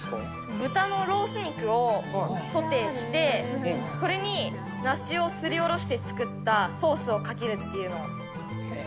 豚のロース肉をソテーして、それに梨をすりおろして作ったソースをかけるっていうのを。